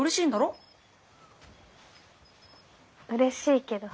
うれしいけど。